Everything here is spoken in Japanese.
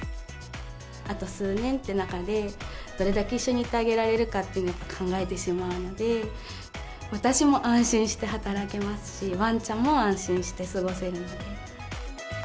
あと数年って中で、どれだけ一緒にいてあげられるのかというのを考えてしまうので、私も安心して働けますし、わんちゃんも安心して過ごせるので。